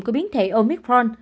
của biến thể omicron